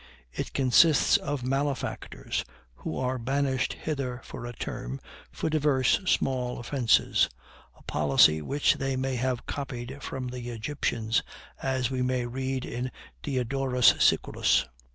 It consists of malefactors, who are banished hither for a term, for divers small offenses a policy which they may have copied from the Egyptians, as we may read in Diodorus Siculus.